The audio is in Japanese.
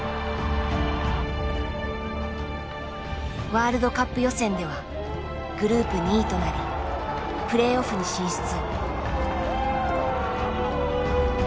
ワールドカップ予選ではグループ２位となりプレーオフに進出。